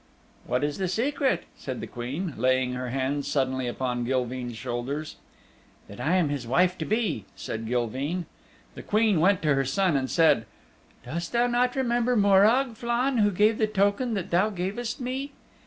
"What is the secret?" said the Queen, laying her hands suddenly upon Gilveen's shoulders. "That I am his wife to be," said Gilveen. The Queen went to her son and said, "Dost thou not remember Morag, Flann, who gave the token that thou gavest me?"